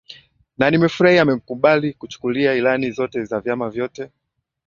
na nimefurahi amekumbali kuchukua ilani zote za vyama vyote